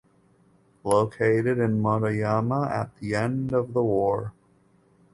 Located in Motoyama at the end of the war.